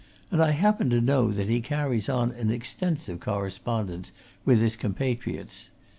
And I happen to know that he carries on an extensive correspondence with his compatriots.